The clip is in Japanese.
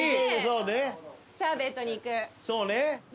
そうね。